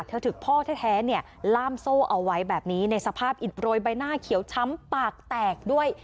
เธอถูกพ่อแท้เนี่ยล่ามโซ่เอาไว้แบบนี้ในสภาพอิดโรยใบหน้าเขียวช้ำปากแตกด้วย